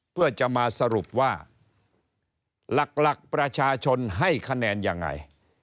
เพื่อจะมาสรุปว่าหลักประชาชนให้คะแนนยังไง